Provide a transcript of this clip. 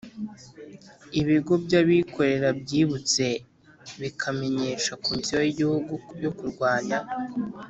Ibigo by abikorera byibutse bikamenyesha Komisiyo y Igihugu yo Kurwanya